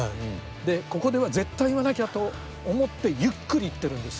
でここでは絶対言わなきゃと思ってゆっくり言ってるんです。